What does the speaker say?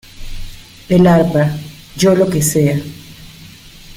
el arpa, yo lo que sea.